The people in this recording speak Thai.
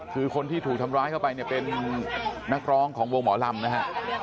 คือคนที่ถูกทำร้ายเข้าไปเนี่ยเป็นนักร้องของวงหมอลำนะฮะ